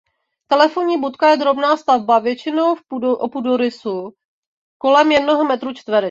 Telefonní budka je drobná stavba většinou o půdorysu kolem jednoho metru čtverečního.